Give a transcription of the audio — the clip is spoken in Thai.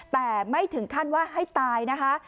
แต่ไม่ถึงขั้นว่าให้ตายนะคะ